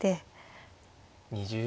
２０秒。